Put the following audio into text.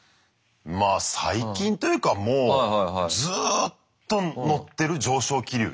まあ最近というかもうずっと乗ってる上昇気流に。